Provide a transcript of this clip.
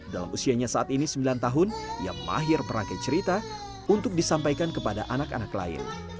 dalam usianya saat ini sembilan tahun ia mahir merangkai cerita untuk disampaikan kepada anak anak lain